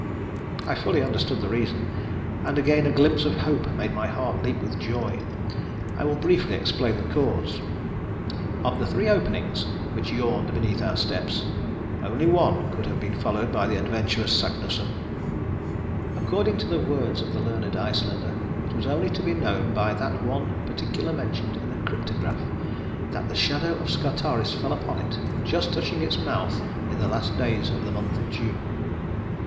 I fully understood the reason, and again a glimpse of hope made my heart leap with joy. I will briefly explain the cause. Of the three openings which yawned beneath our steps, only one could have been followed by the adventurous Saknussemm. According to the words of the learned Icelander, it was only to be known by that one particular mentioned in the cryptograph, that the shadow of Scartaris fell upon it, just touching its mouth in the last days of the month of June.